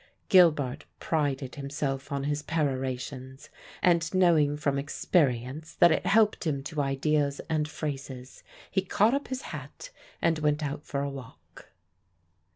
Gilbart prided himself on his perorations; and knowing from experience that it helped him to ideas and phrases he caught up his hat and went out for a walk.